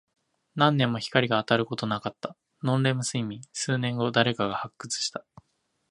何年も光が当たることなかった。ノンレム睡眠。数年後、誰かが発掘した。